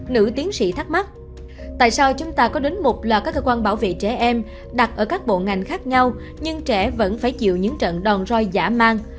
nữ tiến sĩ thắc mắc tại sao chúng ta có đến mục là các cơ quan bảo vệ trẻ em đặt ở các bộ ngành khác nhau nhưng trẻ vẫn phải chịu những trận đòn roi giả mang